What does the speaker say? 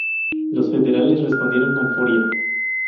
Los federales respondieron con furia.